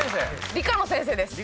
理科の先生です。